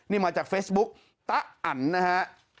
นี่มาจากเฟซบุ๊กตะอันนะฮะ